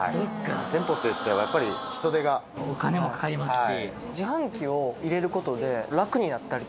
お金もかかりますし。